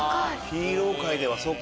ヒーロー界ではそうか。